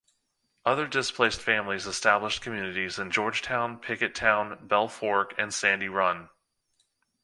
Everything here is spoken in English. Other displaced families established communities in Georgetown, Pickettown, Bell Fork, and Sandy Run.